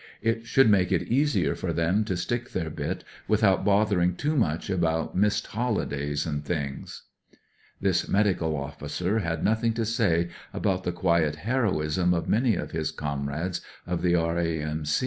It should make it easier for them to stick their bit without bothering too much about missed hoUdays and things." 210 WHAT EVERY M.O. KNOWS This medical officer had nothing to say about the quiet heroism of many of his comrades of the R.A.M.